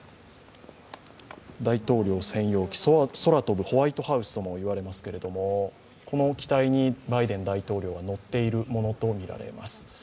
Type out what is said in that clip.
大統領専用機、空飛ぶホワイトハウスとも言われますけども、この機体にバイデン大統領が乗っているものとみられます。